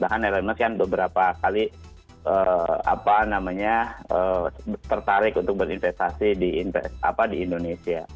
bahkan elon musk kan beberapa kali tertarik untuk berinvestasi di indonesia